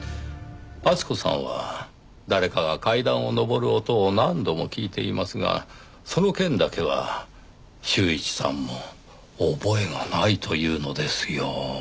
厚子さんは誰かが階段を上る音を何度も聞いていますがその件だけは柊一さんも覚えがないというのですよ。